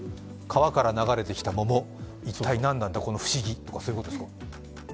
川から流れてきた桃、一体何なんだ、この不思議、そういうことですか。